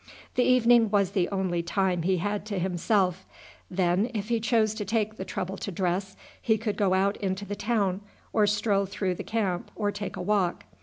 The evening was the only time he had to himself; then, if he chose to take the trouble to dress, he could go out into the town or stroll through the camp or take a walk.